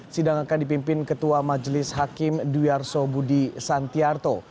sidang akan dipimpin ketua majelis hakim duyarso budi santiarto